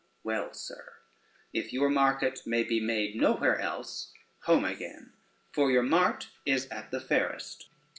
Well, sir, if your market may be made no where else, home again, for your mart is at the fairest.